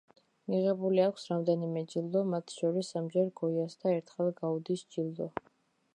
მიღებული აქვს რამდენიმე ჯილდო, მათ შორის სამჯერ გოიას და ერთხელ გაუდის ჯილდო.